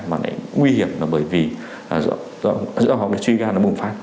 mà nãy nguy hiểm là bởi vì do họ suy gan nó bùng phát